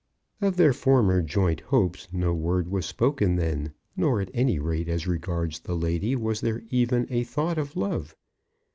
Of their former joint hopes, no word was spoken then; nor, at any rate as regards the lady, was there even a thought of love.